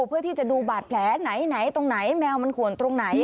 เพื่อที่จะดูบาดแผลไหนตรงไหนแมวมันขวนตรงไหน